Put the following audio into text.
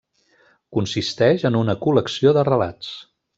Consisteix en una col·lecció de relats.